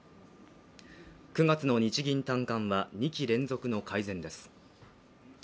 ９月の日銀短観は２期連続の改善です。